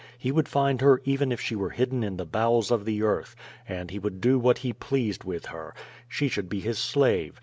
He wpuld find her even if she were hidden in the bowels of the earth, and he would do what he pleased with her; she should be his slave.